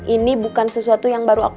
ini bukan sesuatu yang baru aku